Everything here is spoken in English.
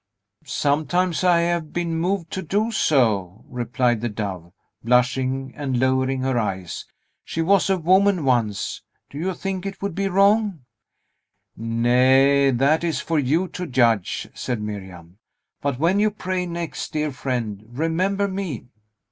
"Sometimes I have been moved to do so," replied the Dove, blushing, and lowering her eyes; "she was a woman once. Do you think it would be wrong?" "Nay, that is for you to judge," said Miriam; "but when you pray next, dear friend, remember me!"